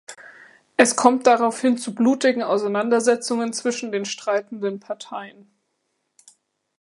Es kommt daraufhin zu blutigen Auseinandersetzungen zwischen den streitenden Parteien.